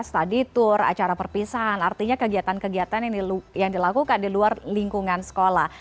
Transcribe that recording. study tour acara perpisahan artinya kegiatan kegiatan yang dilakukan di luar lingkungan sekolah